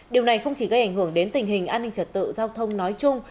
điều này không chỉ gây ảnh hưởng đến tình hình an ninh trật tự giao thông nói chung